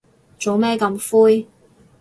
做咩咁灰